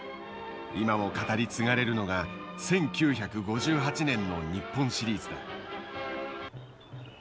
今も語り継がれるのが１９５８年の日本シリーズだ。